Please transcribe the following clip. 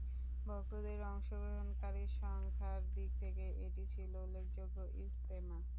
ভক্তদের অংশগ্রহণকারী সংখ্যার দিক থেকে এটি ছিল উল্লেখযোগ্য ইজতেমা।